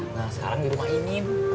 nah sekarang di rumah ini